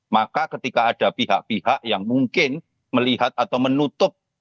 maka ketika ada pihak pihak yang mungkin melihat atau menutup